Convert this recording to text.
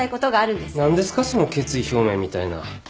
何ですかその決意表明みたいな。